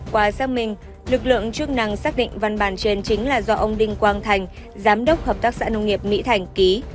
qua xác minh lực lượng chức năng xác định văn bản trên chính là do ông đinh quang thành giám đốc hợp tác xã nông nghiệp mỹ thành ký